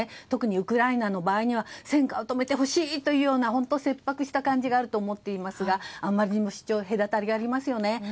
特にウクライナの場合は戦火を止めてほしいというような切迫した感じがあると思っていますがあまりにも主張、隔たりがありますよね。